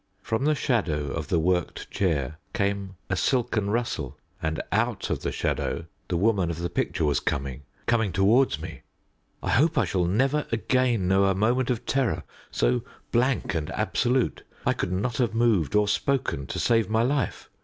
From the shadow of the worked chair came a silken rustle, and out of the shadow the woman of the picture was coming coming towards me. I hope I shall never again know a moment of terror so blank and absolute. I could not have moved or spoken to save my life.